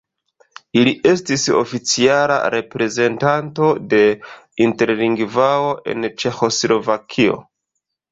Il estis la oficiala reprezentanto de Interlingvao en Ĉeĥoslovakio.